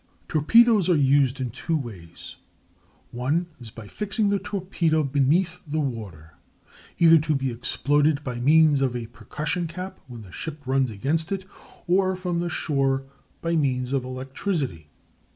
Torpedoes are used in two ways: one is by fixing the torpedo beneath the water, either to be exploded by means of a percussion cap when the ship runs against it, or from the shore by means of electricity.